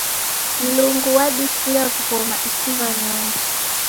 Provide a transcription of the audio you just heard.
Mlungu wadifuya w'ughoma isi w'anyonge.